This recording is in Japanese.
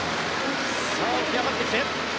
浮き上がってきて。